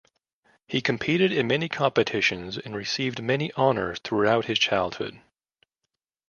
He competed in many competitions and received many honors throughout his childhood.